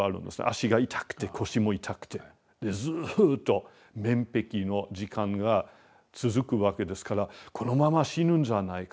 足が痛くて腰も痛くてずっと面壁の時間が続くわけですからこのまま死ぬんじゃないかと。